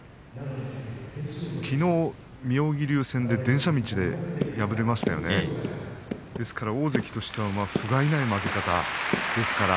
きのう妙義龍戦で電車道で敗れましたよねですから大関としてはふがいない負け方でした。